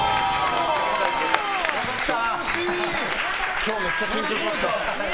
今日めっちゃ緊張しました。